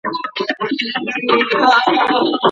که چاپیریال ته درناوی وسي، نو طبیعت نه ورانیږي.